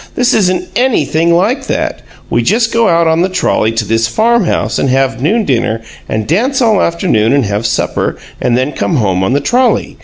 This isn't anything like that; we just go out on the trolley to this farm house and have noon dinner, and dance all afternoon, and have supper, and then come home on the trolley.